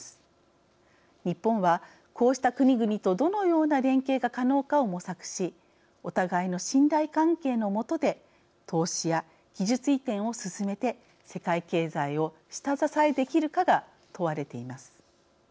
日本はこうした国々とどのような連携が可能かを模索しお互いの信頼関係のもとで投資や技術移転を進めて世界経済を下支えできるかが問われています。